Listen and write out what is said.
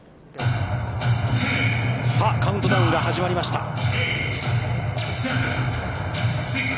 さあカウントダウンが始まりました。